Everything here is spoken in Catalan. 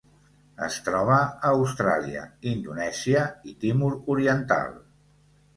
Es troba a Austràlia, Indonèsia i Timor Oriental.